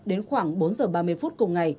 đến khoảng bốn giờ ba mươi phút cùng ngày